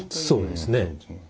そうですね。